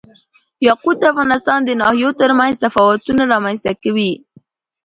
یاقوت د افغانستان د ناحیو ترمنځ تفاوتونه رامنځ ته کوي.